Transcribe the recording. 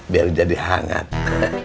biar jadi hangat